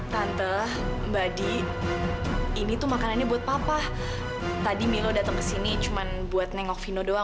sampai jumpa di video selanjutnya